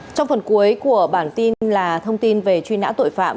trong phần cuối của bản tin là thông tin về truy nã tội phạm